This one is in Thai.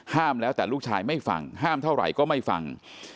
แล้วแต่ลูกชายไม่ฟังห้ามเท่าไหร่ก็ไม่ฟัง